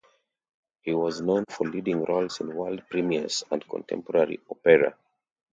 He was known for leading roles in world premieres and contemporary opera.